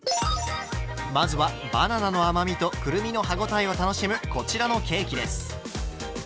まずはバナナの甘みとくるみの歯応えを楽しむこちらのケーキです。